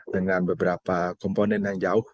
dengan beberapa komponen yang jauh